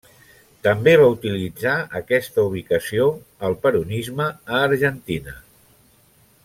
També va utilitzar aquesta ubicació el peronisme a Argentina.